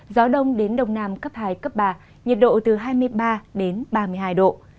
gió đông đến đông nam cấp hai cấp ba nhiệt độ từ hai mươi ba đến ba mươi hai độ